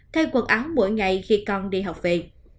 thay quần áo mỗi ngày khi con đi học về